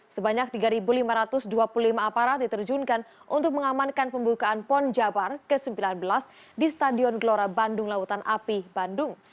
sebanyak tiga lima ratus dua puluh lima aparat diterjunkan untuk mengamankan pembukaan pon jabar ke sembilan belas di stadion gelora bandung lautan api bandung